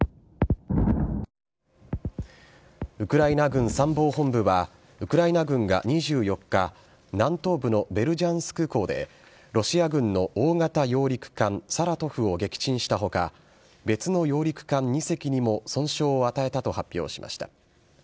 ウクライナ軍参謀本部はウクライナ軍が２４日南東部のベルジャンスク港でロシア軍の大型揚陸艦「サラトフ」を撃沈した他別の揚陸艦２隻にも損傷を与えたと発表しました。